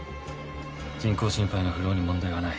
人工心肺のフローに問題はない